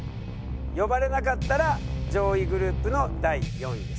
呼ばれなかったら上位グループの第４位です。